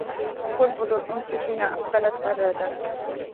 بلبل الأنس حين أقبلت غرد